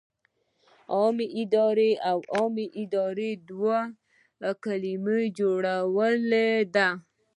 عامه اداره له عامه او اداره دوو کلمو جوړه ده.